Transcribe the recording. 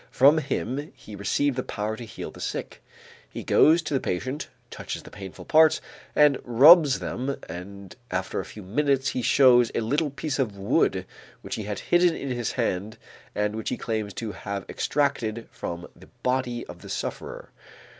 From him he received the power to heal the sick. He goes to the patient, touches the painful parts and rubs them and after a few minutes, he shows a little piece of wood which he had hidden in his hand and which he claims to have extracted from the body of the sufferer.